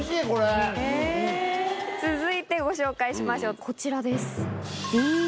続いてご紹介しましょうこちらです。